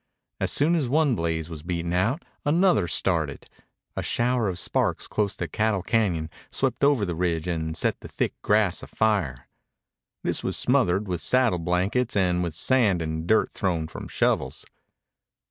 As soon as one blaze was beaten out, another started. A shower of sparks close to Cattle Cañon swept over the ridge and set the thick grass afire. This was smothered with saddle blankets and with sand and dirt thrown from shovels.